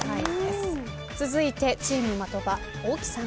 続いてチーム的場大木さん。